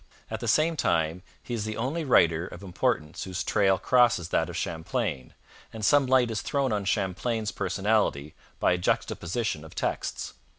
At the same time, he is the only writer of importance whose trail crosses that of Champlain, and some light is thrown on Champlain's personality by a juxtaposition of texts.